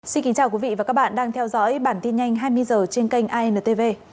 xin kính chào quý vị và các bạn đang theo dõi bản tin nhanh hai mươi h trên kênh intv